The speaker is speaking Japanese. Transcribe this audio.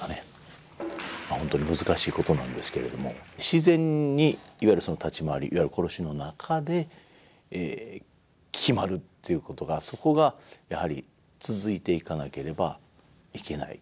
まあ本当に難しいことなんですけれども自然にいわゆるその立ち回りいわゆる殺しの中で決まるっていうことがそこがやはり続いていかなければいけない。